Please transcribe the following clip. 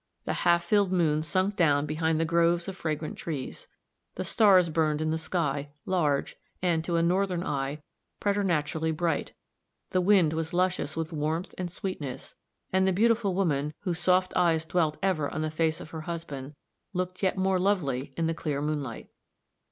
The half filled moon sunk down behind the groves of fragrant trees; the stars burned in the sky, large, and, to a Northern eye, preternaturally bright; the wind was luscious with warmth and sweetness; and the beautiful woman, whose soft eyes dwelt ever on the face of her husband, looked yet more lovely in the clear moonlight.